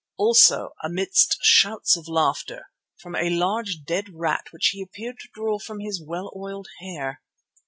Also, amidst shouts of laughter, from a large dead rat which he appeared to draw from his well oiled hair.